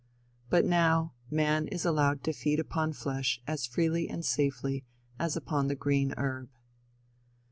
But now, man is allowed to feed upon flesh as freely and safely as upon the green herb."